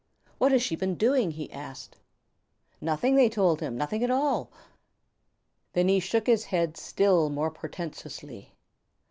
"What has she been doing?" he asked. Nothing, they told him, nothing at all! Then he shook his head still more portentously.